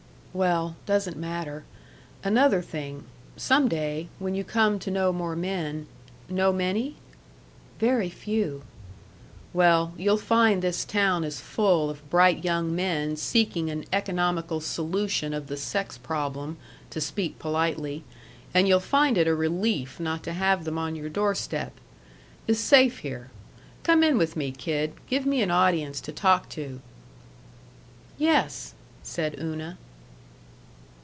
"Well doesn't matter.... Another thing some day, when you come to know more men Know many?" "Very few." "Well, you'll find this town is full of bright young men seeking an economical solution of the sex problem to speak politely and you'll find it a relief not to have them on your door step. 'S safe here.... Come in with me, kid. Give me an audience to talk to." "Yes," said Una.